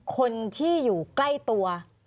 คนที่อยู่ใกล้ตัว